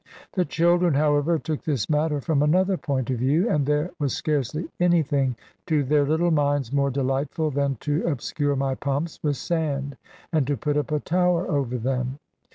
The children, however, took this matter from another point of view; and there was scarcely anything to their little minds more delightful than to obscure my pumps with sand, and put up a tower over them.